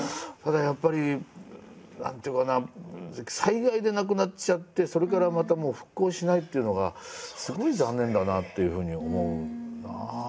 ただやっぱり何て言うかな災害でなくなっちゃってそれからまたもう復興しないっていうのがすごい残念だなっていうふうに思うな。